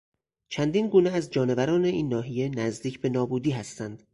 چندین گونه از جانوران این ناحیه نزدیک به نابودی هستند.